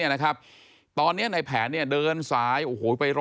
เจ๊บ้าบิลคือแม้ค้าขายสลากกินแบบรัฐบาล